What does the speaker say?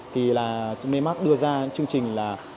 thì là miamat đưa ra chương trình là